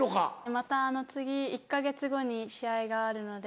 また次１か月後に試合があるので。